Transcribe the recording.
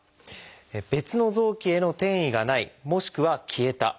別の臓器への転移がないもしくは消えた。